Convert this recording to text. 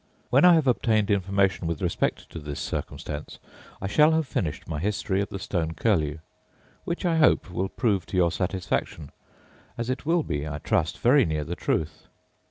When I have obtained information with respect to this circumstance, I shall have finished my history of the stone curlew; which I hope will prove to your satisfaction, as it will be, I trust, very near the truth.